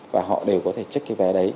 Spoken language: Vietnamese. và họ đều có thể trích cái vé đấy